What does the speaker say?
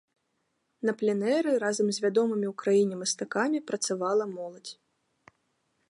На пленэры разам з вядомымі ў краіне мастакамі працавала моладзь.